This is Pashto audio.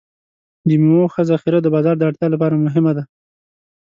د میوو ښه ذخیره د بازار د اړتیا لپاره مهمه ده.